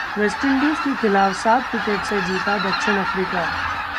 West Indies के खिलाफ सात विकेट से जीता द. अफ्रीका